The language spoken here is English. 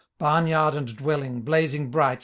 Barn yard and dwelling, blazing bright.